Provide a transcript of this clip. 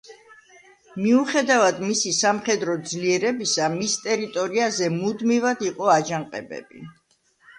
მიუხედავად მისი სამხედრო ძლიერებისა მის ტერიტორიაზე მუდმივად იყო აჯანყებები.